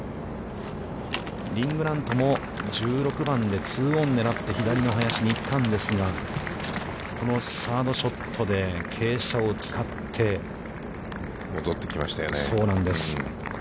リン・グラントも、１６番でツーオンを狙って、左の林に行ったんですが、このサードショットで、傾斜を使って、戻ってきましたよね。